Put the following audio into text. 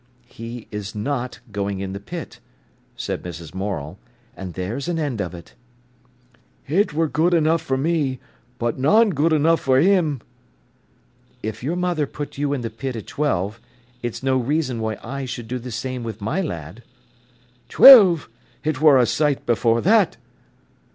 "He is not going in the pit," said Mrs. Morel, "and there's an end of it." "It wor good enough for me, but it's non good enough for 'im." "If your mother put you in the pit at twelve, it's no reason why I should do the same with my lad." "Twelve! It wor a sight afore that!"